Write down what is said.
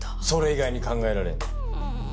それ以外に考えられん。